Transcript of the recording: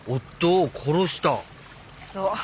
そう。